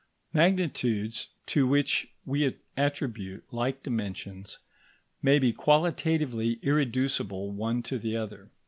Magnitudes to which we attribute like dimensions may be qualitatively irreducible one to the other.